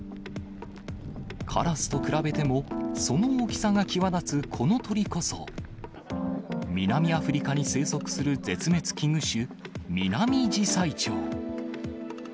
カラスと比べても、その大きさが際立つこの鳥こそ、南アフリカに生息する絶滅危惧種、ミナミジサイチョウ。